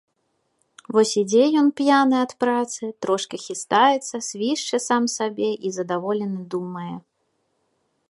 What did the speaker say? Вось ідзе ён, п'яны ад працы, трошкі хістаецца, свішча сам сабе і, задаволены, думае.